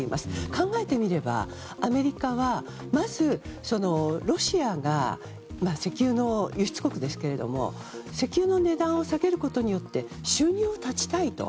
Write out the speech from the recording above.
考えてみればアメリカはまず、ロシアがロシアも石油の輸出国ですけれども石油の値段を下げることによって収入を断ちたいと。